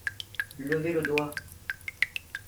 Levez le doigt !